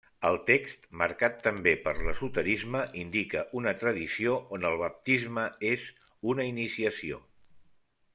El text, marcat també per l'esoterisme, indica una tradició on el baptisme és una iniciació.